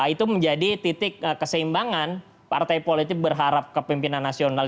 itu menjadi titik keseimbangan partai politik berharap kepimpinan nasional